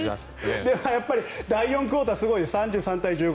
やっぱり第４クオーターすごいです３３対１５。